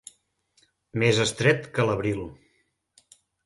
Més estret que l'abril.